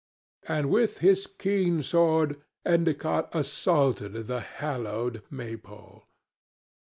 And with his keen sword Endicott assaulted the hallowed Maypole.